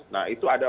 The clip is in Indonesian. nah itu ada